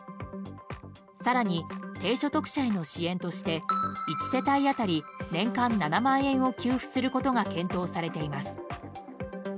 更に、低所得者への支援として１世帯当たり年間７万円を給付することが検討されています。